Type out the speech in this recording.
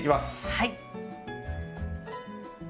はい。